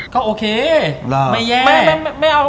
ก็โอเคไม่แย่